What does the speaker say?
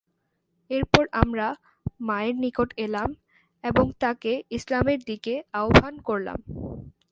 তারপর আমরা মায়ের নিকট এলাম এবং তাকে ইসলামের দিকে আহবান করলাম।